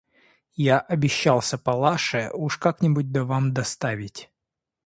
– Я обещался Палаше уж как-нибудь да вам доставить.